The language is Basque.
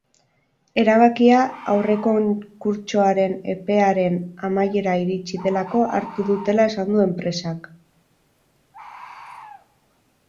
Erabakia aurrekonkurtsoaren epearen amaiera iritsi delako hartu dutela esan du enpresak.